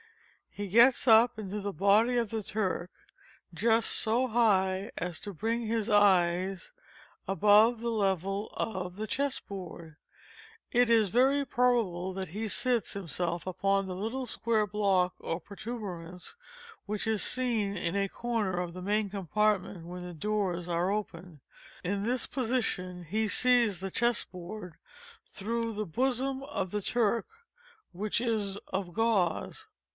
He gets up into the body of the Turk just so high as to bring his eyes above the level of the chess board. It is very probable that he seats himself upon the little square block or protuberance which is seen in a corner of the main compartment when the doors are open. In this position he sees the chess board through the bosom of the Turk which is of gauze.